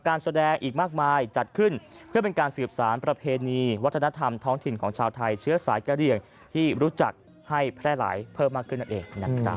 การแสดงอีกมากมายจัดขึ้นเพื่อเป็นการสืบสารประเพณีวัฒนธรรมท้องถิ่นของชาวไทยเชื้อสายกระเหลี่ยงที่รู้จักให้แพร่หลายเพิ่มมากขึ้นนั่นเองนะครับ